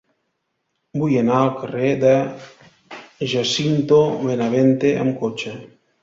Vull anar al carrer de Jacinto Benavente amb cotxe.